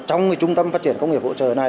trong trung tâm phát triển công nghiệp hỗ trợ này